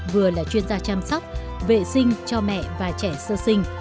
vừa là chuyên gia chăm sóc vệ sinh cho mẹ và trẻ sơ sinh